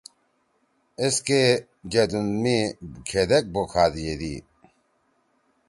ایس کے جیدُون می کھیدیک بُوکھاد یِدی۔